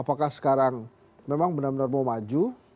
apakah sekarang memang benar benar mau maju